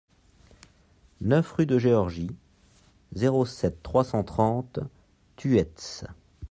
neuf rue de Georgie, zéro sept, trois cent trente Thueyts